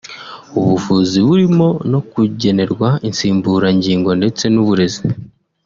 ubuvuzi burimo no kugenerwa insimburangingo ndetse n’uburezi